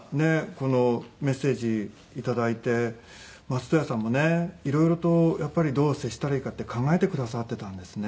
このメッセージ頂いて松任谷さんもね色々とやっぱりどう接したらいいかって考えてくださってたんですね。